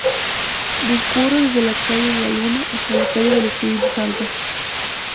Discurre desde la calle de la Luna hasta la calle del Espíritu Santo.